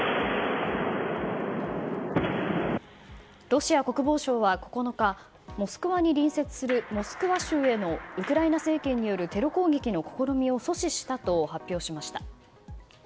ロシア国防省は９日モスクワに隣接するモスクワ州にウクライナ政権によるテロ攻撃の試みを阻止したと発表しました。